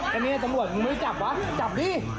แต่เนี่ยตำรวจมึงไม่จับวะจับดิ